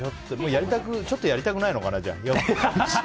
ちょっとやりたくないのかなじゃあ。